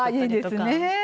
ああいいですね。